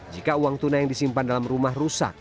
jika uang tunai yang disimpan dalam rumah rusak